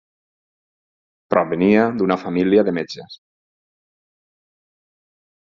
Provenia d'una família de metges.